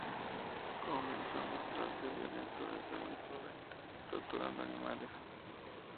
Comenzó a mostrarse violento desde muy joven torturando animales.